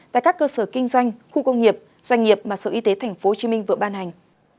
tại các cơ sở kinh doanh khu công nghiệp doanh nghiệp mà sở y tế tp hcm vừa ban hành